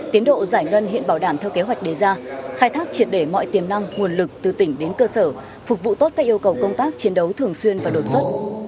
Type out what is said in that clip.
tiến độ giải ngân hiện bảo đảm theo kế hoạch đề ra khai thác triệt để mọi tiềm năng nguồn lực từ tỉnh đến cơ sở phục vụ tốt các yêu cầu công tác chiến đấu thường xuyên và đột xuất